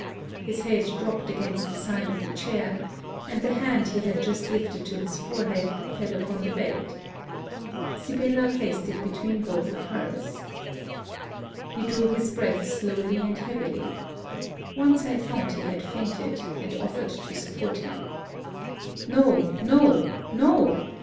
His head dropped against the side of the chair; and the hand he had just lifted to his forehead fell upon the bed. Sibella placed it between both of her's. He drew his breath slowly and heavily. Once I thought he had fainted, and offered to support him. 'No! no! no!'